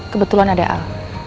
kebetulan ada al